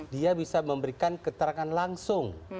dia bisa memberikan keterangan langsung